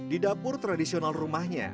di dapur tradisional rumahnya